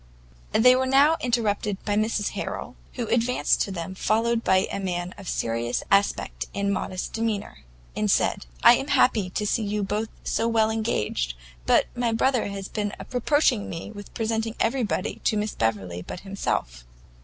They were now interrupted by Mrs Harrel, who advanced to them followed by a young man of a serious aspect and modest demeanour, and said, "I am happy to see you both so well engaged; but my brother has been reproaching me with presenting everybody to Miss Beverley but himself."